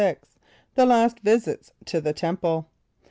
The Last Visits to the Temple.